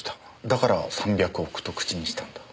だから３００億と口にしたと。